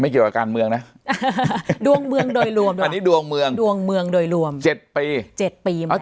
ไม่เกี่ยวกับการเมืองนะดวงเมืองโดยรวมอันนี้ดวงเมืองดวงเมืองโดยรวม๗ปี